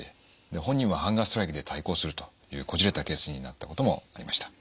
で本人はハンガーストライキで対抗するというこじれたケースになったこともありました。